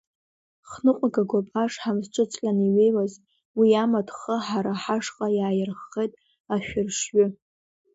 Хныҟәгагоуп, ашҳам зҿыҵҟьаны иҩеиуаз уи амаҭ хы ҳара ҳашҟа иааирххеит ашәыршьҩы.